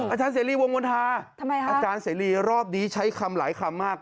อาจารย์เสรีวงมณฑาอาจารย์เสรีรอบนี้ใช้คำหลายคำมาก